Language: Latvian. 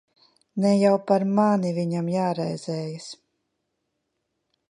Ne jau par mani viņam jāraizējas.